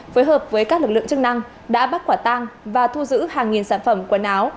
phối hợp với các lực lượng chức năng đã bắt quả tang và thu giữ hàng nghìn sản phẩm quần áo